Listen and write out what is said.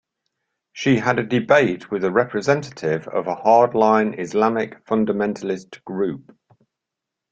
She had a debate with a representative of a hard line Islamic fundamentalist group.